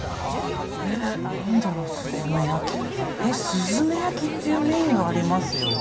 すずめ焼っていうメニューがありますよ。